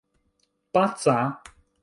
paca